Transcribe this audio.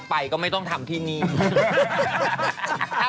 ไปจนถึงวันศุกร์นะคะ